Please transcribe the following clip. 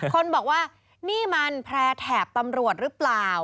คนบอกว่านี่มันแพร่แถบตำรวจหรือเปล่า